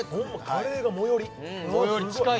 カレーが最寄りすごい